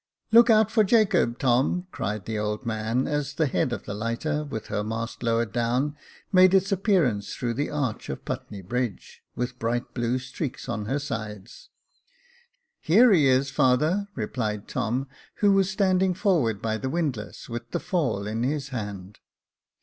" Look out for Jacob, Tom," cried the old man, as the head of the lighter, with her mast lowered down, made its appearance through the arch of Putney Bridge, with bright blue streaks on her sides. " Here he is, father," replied Tom, who was standing forward by the windlass, with the fall in his hand.